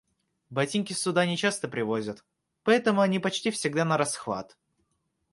Ботинки сюда нечасто привозят, поэтому они почти всегда нарасхват.